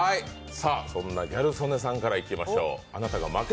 そんなギャル曽根さんからいきましょう。